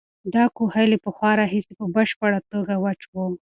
دا کوهی له پخوا راهیسې په بشپړه توګه وچ و.